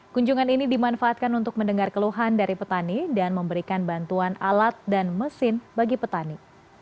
kunjungan ini dimanfaatkan untuk mendengar keluhan dari petani dan memberikan bantuan alat dan mesin bagi petani